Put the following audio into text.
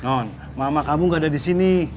non mama kamu gak ada di sini